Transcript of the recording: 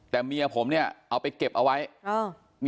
แต่เมียผมเนี่ยเอาไปเก็บเอาไว้